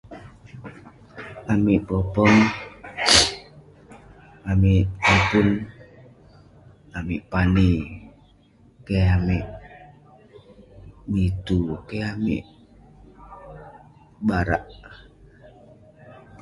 Amik popeng, amik popeng..amik pani, keh amik mitu, keh amik, barak..